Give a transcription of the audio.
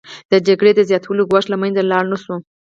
د جګړې د زیاتوالي ګواښ له منځه لاړ نشو